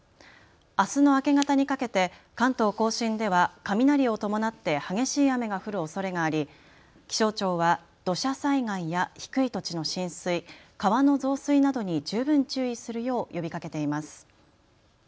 あすの明け方にかけて関東甲信では雷を伴って激しい雨が降るおそれがあり気象庁は土砂災害や低い土地の浸水、川の増水などに十分注意するよう呼びかけています。